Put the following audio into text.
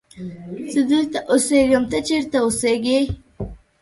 زه دلته اسیږم ته چیرت اوسیږی